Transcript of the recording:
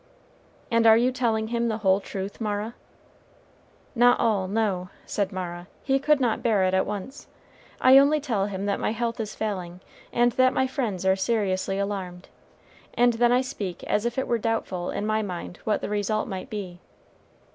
"And are you telling him the whole truth, Mara?" "Not all, no," said Mara; "he could not bear it at once. I only tell him that my health is failing, and that my friends are seriously alarmed, and then I speak as if it were doubtful, in my mind, what the result might be."